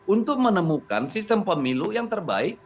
untuk menemukan sistem pemilu yang terbaik